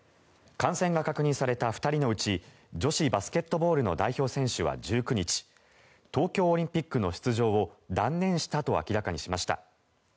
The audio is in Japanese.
感染が確認された２人のうち女子バスケットボールの代表選手は１９日東京オリンピックの出場を断念したと明らかにしました。